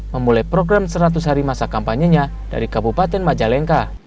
memulai program seratus hari masa kampanyenya dari kabupaten majalengka